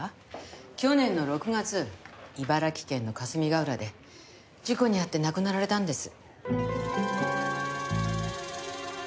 去年の６月茨城県の霞ヶ浦で事故に遭って亡くなられたんです。